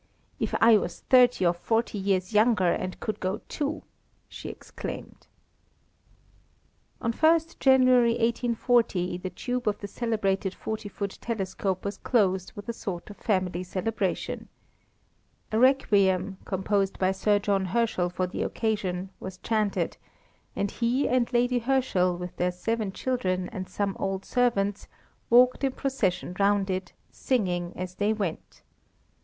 if I was thirty or forty years younger and could go too!" she exclaimed. On 1st January 1840 the tube of the celebrated forty foot telescope was closed with a sort of family celebration. A requiem, composed by Sir John Herschel for the occasion, was chanted, and he and Lady Herschel, with their seven children and some old servants, walked in procession round it, singing as they went.